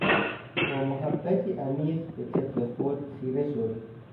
با محبتی عمیق به طفل خود خیره شد.